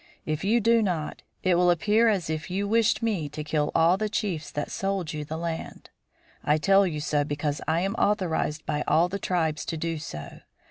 If you do not, it will appear as if you wished me to kill all the chiefs that sold you the land. I tell you so because I am authorized by all the tribes to do so.